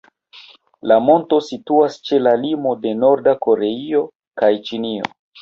La monto situas ĉe la limo de Norda Koreio kaj Ĉinio.